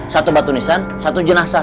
satu batu nisan satu jenazah